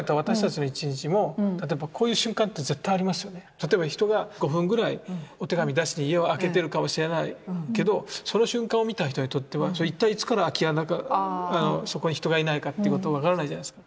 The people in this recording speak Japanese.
例えば人が５分ぐらいお手紙出しに家を空けてるかもしれないけどその瞬間を見た人にとっては一体いつから空き家なのかそこに人がいないかってこと分からないじゃないですか。